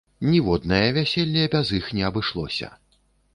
Ніводнае вяселле без іх не абышлося.